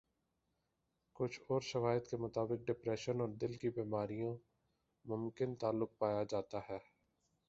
کچھ اورشواہد کے مطابق ڈپریشن اور دل کی بیماریوں ممکن تعلق پایا جاتا ہے